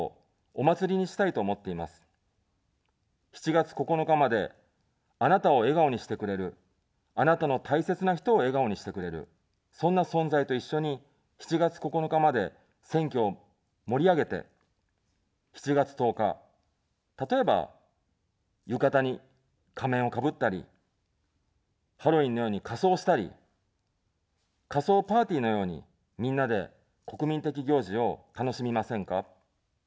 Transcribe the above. ７月９日まで、あなたを笑顔にしてくれる、あなたの大切な人を笑顔にしてくれる、そんな存在と一緒に、７月９日まで選挙を盛り上げて、７月１０日、例えば、浴衣に仮面をかぶったり、ハロウィーンのように仮装したり、仮装パーティーのように、みんなで、国民的行事を楽しみませんか。